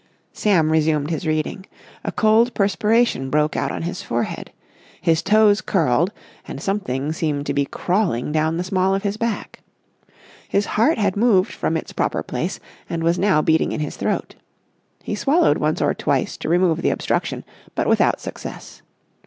Sam resumed his reading. A cold perspiration broke out on his forehead. His toes curled, and something seemed to be crawling down the small of his back. His heart had moved from its proper place and was now beating in his throat. He swallowed once or twice to remove the obstruction, but without success.